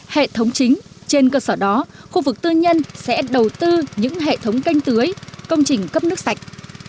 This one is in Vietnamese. hệ thống chính trên cơ sở đó khu vực tư nhân sẽ đầu tư những hệ thống canh tưới công trình cấp nước sạch